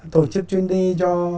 tổ chức chuyến đi cho